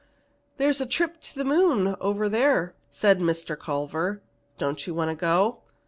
"There is a Trip to the Moon right over here," said Mr. Culver. "Don't you want to go?"